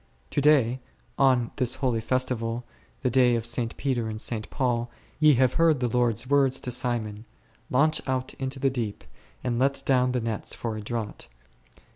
To day, on this holy festival, the day of St. Peter and St. Paul, ye have heard the Lord's words to Simon, Launch out into the deep, and let down the nets for a draught d .